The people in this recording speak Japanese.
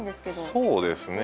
そうですね。